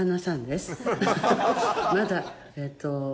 まだえっと。